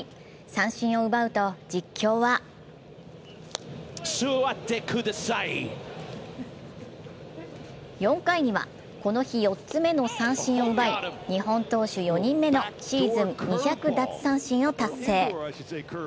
三振を奪うと実況は４回には、この日４つ目の三振を奪い日本投手４人目のシーズン２００奪三振を達成。